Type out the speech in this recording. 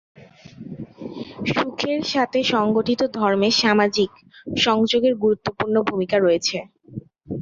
সুখের সাথে সংগঠিত ধর্মের সামাজিক সংযোগের গুরুত্বপূর্ণ ভূমিকা রয়েছে।